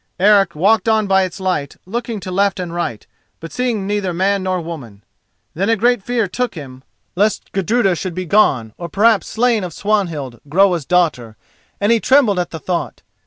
Eric walked on by its light, looking to left and right, but seeing neither man nor woman. Then a great fear took him lest Gudruda should be gone, or perhaps slain of Swanhild, Groa's daughter, and he trembled at the thought.